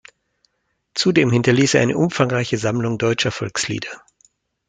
Zudem hinterließ er eine umfangreiche Sammlung Deutscher Volkslieder.